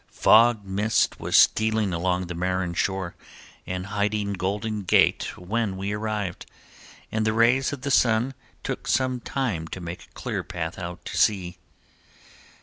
Fog mist was stealing along the Marin shore, and hiding Golden Gate when we arrived, and the rays of the sun took some time to make a clear path out to sea.